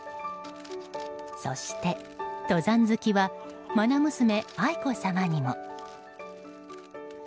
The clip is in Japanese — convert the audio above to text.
そして登山好きは愛娘・愛子さまにも。